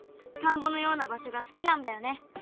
田んぼのような場所が好きなんだよね。